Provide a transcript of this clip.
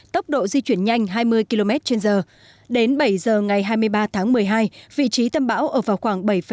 tốc độ di chuyển nhanh hai mươi km trên giờ đến bảy giờ ngày hai mươi ba tháng một mươi hai vị trí tâm bão ở vào khoảng bảy tám